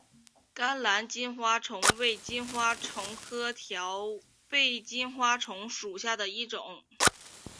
甘蓝金花虫为金花虫科条背金花虫属下的一个种。